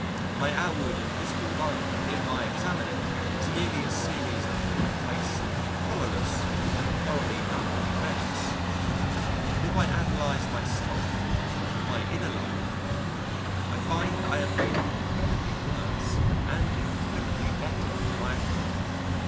My outward and visible life if I examine it is merely a series of commonplace, colourless and thoroughly average events. But if I analyse myself, my inner life, I find I am both incredibly worse and incredibly better than I appear.